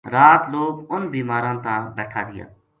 رات لوک اُنھ بیماراں تا بیٹھا رہیا